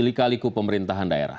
lika liku pemerintahan daerah